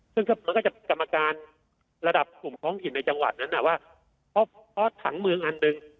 ซึ่งมันก็จะกรรมการระดับกลุ่มท้องถิ่นในจังหวัดนั้นว่าเพราะถังเมืองอันหนึ่ง